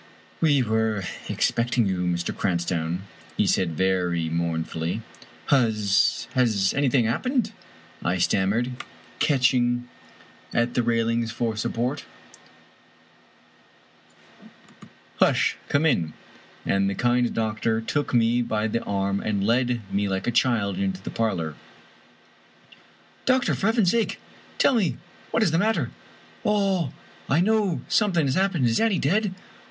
" We were expecting you, Mr. Cranstoun," he said, very mournfully. "Has — ^has anything — ^happened?" I stammered, catch ing at the railings for support " Hush ! come in." And the kind doctor took me by the arm and led me like a child into the parlor. " Doctor, for heaven's sake ! tell me what is the matter. I know something has happened. Is Annie dead